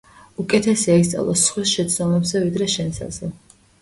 უკეთესია ისწავლო სხვის შეცდომებზე ვიდრე შენსაზე.